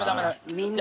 みんな。